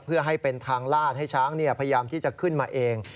เพื่อให้เป็นทางลาดให้ช้างพยายามที่จะขึ้นมาเอง